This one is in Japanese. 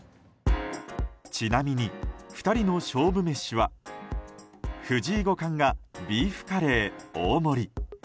ちなみに２人の勝負メシは藤井五冠がビーフカレー大盛り。